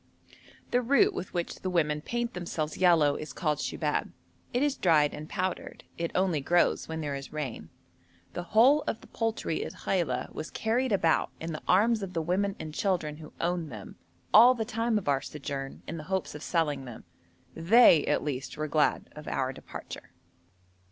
The root with which the women paint themselves yellow is called shubab. It is dried and powdered. It only grows when there is rain. The whole of the poultry at Khaila was carried about in the arms of the women and children who owned them, all the time of our sojourn, in the hopes of selling them. They, at least, were glad of our departure.